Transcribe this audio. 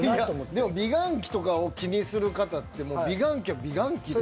でも美顔器とかを気にする方って美顔器は美顔器で。